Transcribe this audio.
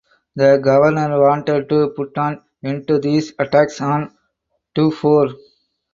The governor wanted to put an end to these attacks on Dufour.